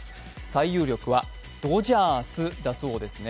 最有力はドジャースだそうです。